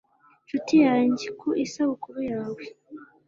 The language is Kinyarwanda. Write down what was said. nshuti yanjye, ku isabukuru yawe